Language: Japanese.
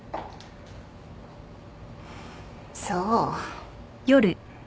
そう。